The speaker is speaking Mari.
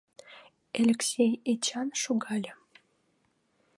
Элексей Эчан шогале.